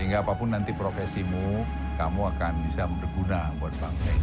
sehingga apapun nanti profesimu kamu akan bisa berguna buat bangsa ini